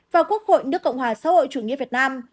và quốc hội nước cộng hòa xã hội chủ nghĩa việt nam